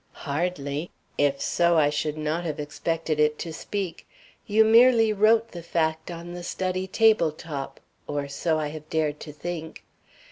"Hardly. If so, I should not have expected it to speak. You merely wrote the fact on the study table top. Or so I have dared to think.